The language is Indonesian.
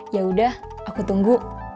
yaudah aku tunggu